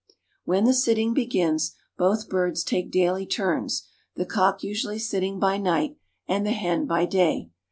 When the sitting begins, both birds take daily turns, the cock usually sitting by night and the hen by day.